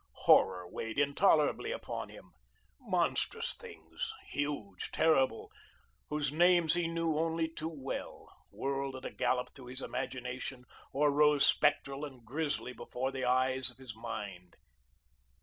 Horror weighed intolerably upon him. Monstrous things, huge, terrible, whose names he knew only too well, whirled at a gallop through his imagination, or rose spectral and grisly before the eyes of his mind.